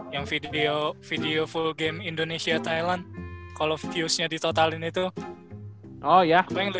yang video video full game indonesia thailand kalau viewsnya ditotalin itu oh ya paling